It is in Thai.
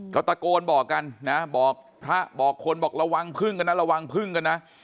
ก็ตะโกนบอกกันนะบอกพระบอกคนบอกระวังพึ่งกันนะระวังพึ่งกันนะ